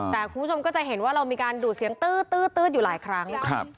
แต่คุณผู้ชมก็จะเห็นว่าเรามีการดูดเสียงตื้ออยู่หลายครั้ง